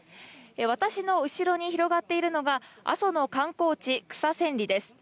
私の後ろに広がっているのが、阿蘇の観光地、草千里です。